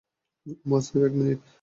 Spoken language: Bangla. ওমর সাইফ, এক মিনিট।